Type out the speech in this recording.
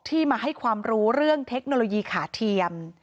มาให้ความรู้เรื่องเทคโนโลยีขาเทียม